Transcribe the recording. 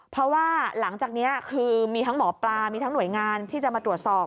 เพราะว่าหลังจากนี้คือมีทั้งหมอปลามีทั้งหน่วยงานที่จะมาตรวจสอบ